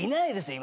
今。